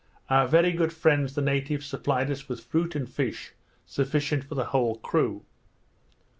Our very good friends the natives supplied us with fruit and fish sufficient for the whole crew.